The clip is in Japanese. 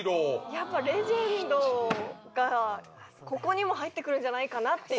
やっぱレジェンドがここにも入ってくるんじゃないかなっていう。